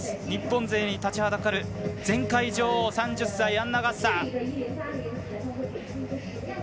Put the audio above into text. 日本勢に立ちはだかる前回女王、３０歳アンナ・ガッサー。